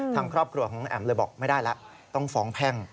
ทางครอบครัวของน้องแอ๋มเลยบอกไม่ได้แล้วต้องฟ้องแพ่ง